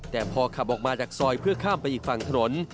แต่พอขับออกมาจากซอยเพื่อข้ามไปอีกฝั่งถนน